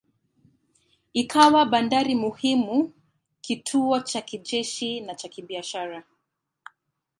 Ikawa bandari muhimu, kituo cha kijeshi na cha kibiashara.